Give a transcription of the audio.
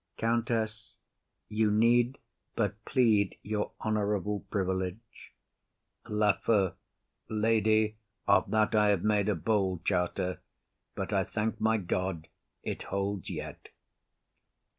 COUNTESS. You need but plead your honourable privilege. LAFEW. Lady, of that I have made a bold charter; but, I thank my God, it holds yet.